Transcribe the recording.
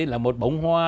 là một bóng hoa